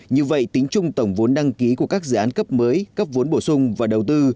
như vậy tính chung tổng vốn đăng ký của các dự án cấp mới cấp vốn bổ sung và đầu tư